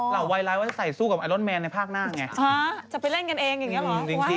เหล่าวัยร้ายว่าจะใส่สู้กับไอโรนแมนในภาคหน้าไงฮ้าจะไปเล่นกันเองอย่างนี้หรอจริงที่